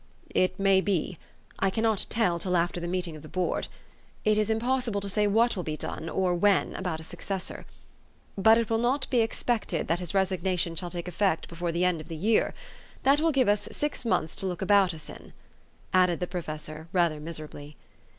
u It may be I cannot tell till after the meeting of the Board. It is impossible to say what will be done, or when, about a successor. But it will not be expected that his resignation shall take effect 318 THE STORY OF AVIS. before the end of the year. That will give us six months to look about us in," added the professor rather miserably.